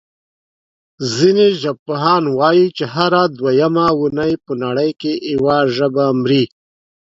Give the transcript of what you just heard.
ځینې ژبپوهان وايي چې هره دویمه اوونۍ په نړۍ کې یوه ژبه مري.